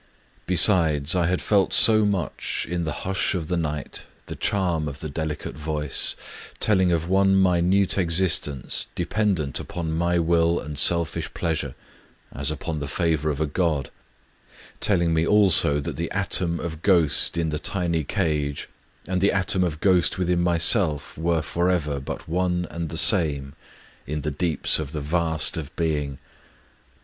Besides, I had felt so much, in the hush of the night, the charm of the delicate voice, — telling of one minute existence dependent upon my will and selfish pleasure, as upon the favour of a god, — telling me also that the atom of ghost in the dny cage, and the atom of ghost within myself, were forever but one and the same in the deeps of the Vast of being.